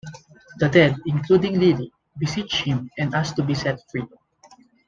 The dead, including Lily, beseech him and ask to be set free.